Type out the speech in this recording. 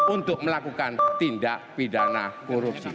untuk melakukan tindak pidana korupsi